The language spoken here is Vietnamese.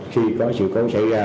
khi có sự cầu xảy ra